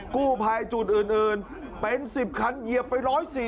กู้ภัยจุดอื่นเป็น๑๐คันเหยียบไป๑๔๐